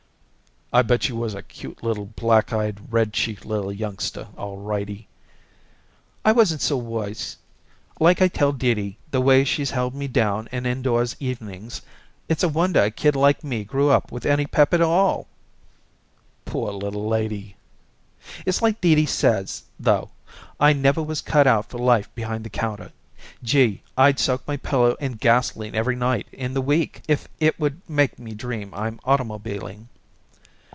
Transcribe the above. "I bet you was a cute little black eyed, red cheeked little youngster, alrighty." "I wasn't so worse. Like I tell Dee Dee, the way she's held me down and indoors evenings, it's a wonder a kid like me grew up with any pep at all." "Poor little lady!" "It's like Dee Dee says, though. I never was cut out for life behind the counter. Gee! I'd soak my pillow in gasolene every night in the week if it would make me dream I'm automobiling."